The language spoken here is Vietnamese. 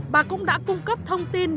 bà cũng đã cung cấp thông tin